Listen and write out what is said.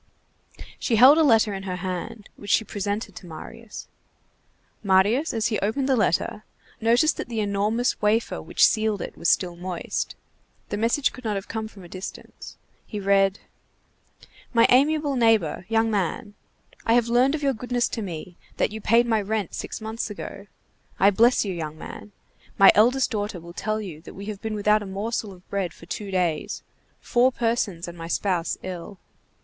She held a letter in her hand, which she presented to Marius. Marius, as he opened the letter, noticed that the enormous wafer which sealed it was still moist. The message could not have come from a distance. He read:— MY AMIABLE NEIGHBOR, YOUNG MAN: I have learned of your goodness to me, that you paid my rent six months ago. I bless you, young man. My eldest daughter will tell you that we have been without a morsel of bread for two days, four persons and my spouse ill.